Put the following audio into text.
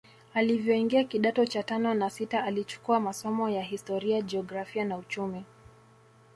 Alivyoingia kidato cha tano na sita alichukua masomo ya historia jiografia na uchumi